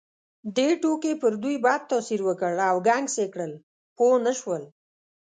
دې ټوکې پر دوی بد تاثیر وکړ او ګنګس یې کړل، پوه نه شول.